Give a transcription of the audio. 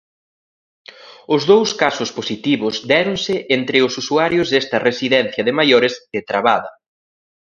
Os dous casos positivos déronse entre os usuarios desta residencia de maiores de Trabada.